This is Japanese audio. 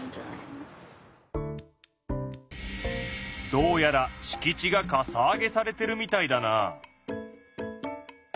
どうやらしき地がかさ上げされてるみたいだな。